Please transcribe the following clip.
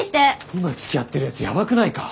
今つきあってる奴ヤバくないか？